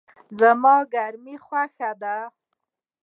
زما ګرمی خوښه ده